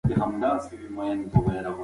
د نجونو ښوونه د ګډ کار مسووليت زياتوي.